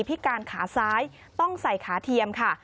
พิการขาซ้ายต้องใส่ขาเทียมค่ะ